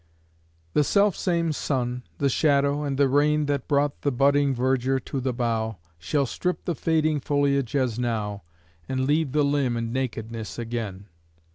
The selfsame sun, the shadow, and the rain That brought the budding verdure to the bough, Shall strip the fading foliage as now, And leave the limb in nakedness again.